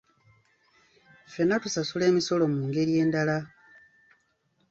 Ffenna tusasula emisolo mu ngeri endala.